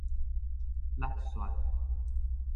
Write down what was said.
戮璇